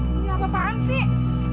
bu apa apaan sih